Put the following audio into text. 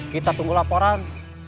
kita tunggu laporan